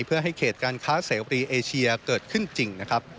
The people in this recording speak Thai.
เพื่อให้เขตการค้าเสรีเอเชียเกิดขึ้นจริงนะครับ